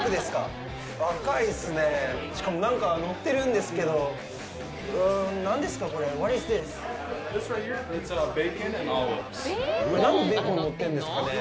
しかも、なんか乗ってるんですけど、何ですか？